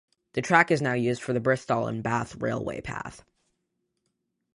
The track is now used for the Bristol and Bath Railway Path.